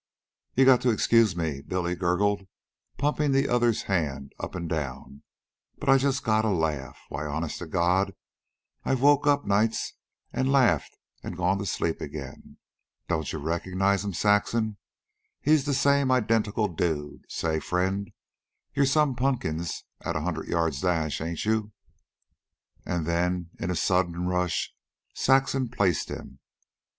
"You gotta excuse me," Billy gurgled, pumping the other's hand up and down. "But I just gotta laugh. Why, honest to God, I've woke up nights an' laughed an' gone to sleep again. Don't you recognize 'm, Saxon? He's the same identical dude say, friend, you're some punkins at a hundred yards dash, ain't you?" And then, in a sudden rush, Saxon placed him.